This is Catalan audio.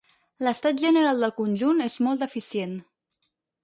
L'estat general del conjunt és molt deficient.